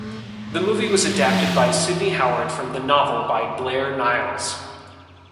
The movie was adapted by Sidney Howard from the novel by Blair Niles.